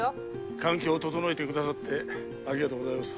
環境を整えてくださってありがとうございます